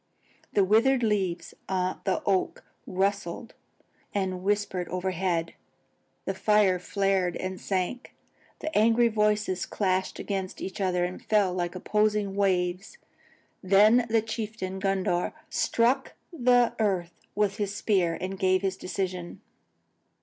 The withered leaves on the oak rustled and whispered overhead. The fire flared and sank again. The angry voices clashed against each other and fell like opposing waves. Then the chieftain Gundhar struck the earth with his spear and gave his decision.